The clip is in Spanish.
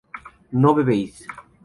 no bebéis